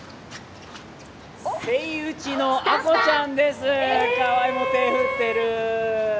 セイウチのアコちゃんです、かわいい、手振ってる。